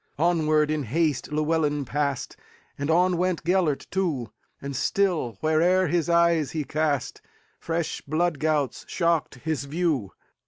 Onward, in haste, Llewelyn passed, And on went Gêlert too; And still, where'er his eyes he cast, Fresh blood gouts shocked his view.